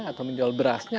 atau menjual berasnya